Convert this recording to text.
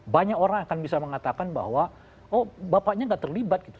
banyak orang akan bisa mengatakan bahwa oh bapaknya gak terlibat gitu